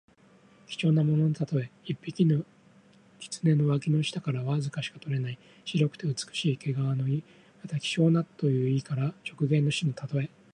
貴重なもののたとえ。一匹の狐の脇の下からわずかしか取れない白くて美しい毛皮の意。また、希少なという意から直言の士のたとえ。